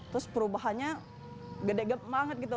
terus perubahannya gede gede banget gitu